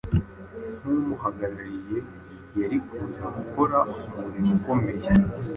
nk’umuhagarariye, yari kuza gukora umurimo ukomeye.